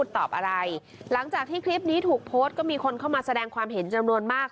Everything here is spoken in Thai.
ตอบอะไรหลังจากที่คลิปนี้ถูกโพสต์ก็มีคนเข้ามาแสดงความเห็นจำนวนมาก